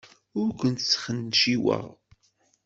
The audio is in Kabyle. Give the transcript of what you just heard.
Ur kent-sxenciweɣ.